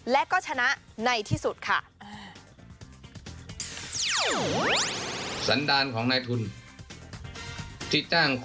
และก็ชนะในที่สุดค่ะ